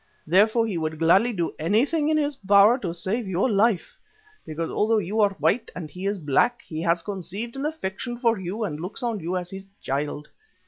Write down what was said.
Therefore he would gladly do anything in his power to save your life, because although you are white and he is black he has conceived an affection for you and looks on you as his child.